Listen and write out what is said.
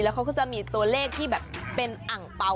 เขาก็จะมีตัวเลขที่แบบเป็นอังเปล่า